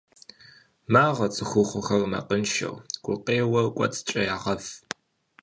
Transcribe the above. Магъыр цӏыхухъухэр макъыншэу, гукъеуэр кӏуэцӏкӏэ ягъэв.